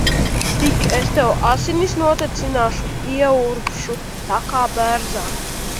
Tik es tev asinis notecināšu. Ieurbšu tā kā bērzā.